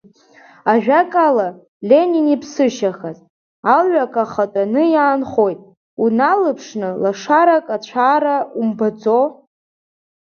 Ажәакала, Ленин иԥсышьахаз, алҩақ ахатәаны иаанхоит, уналыԥшны лашарак ацәаара умбаӡо.